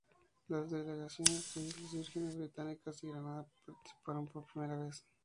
Las delegaciones de Islas Vírgenes Británicas y Granada participaron por primera vez.